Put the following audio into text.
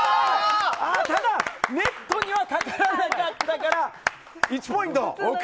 ただ、ネットにはかからなかったから１ポイント。